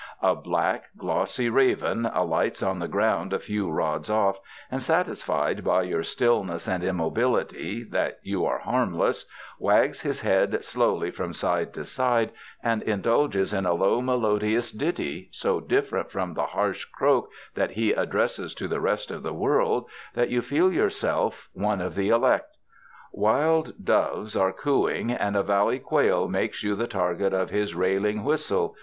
A black, glossy raven alights on the ground a few rods off, and satisfied by your stillness and immobility that you are harmless, wags his head slowly from side to side and indulges in a low, melodious ditty so different from the harsh croak that he addresses to the rest of the world, that you feel yourself of the elect. Wild doves are cooing and a valley quail makes you the target of his railing whistle.